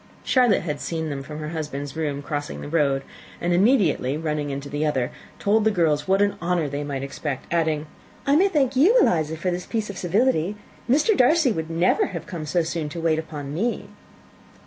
Charlotte had seen them from her husband's room, crossing the road, and immediately running into the other, told the girls what an honour they might expect, adding, "I may thank you, Eliza, for this piece of civility. Mr. Darcy would never have come so soon to wait upon me."